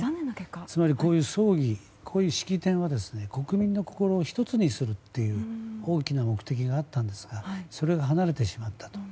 つまりこういう葬儀、式典は国民の心を１つにするという大きな目的があったんですがそれが離れてしまったと。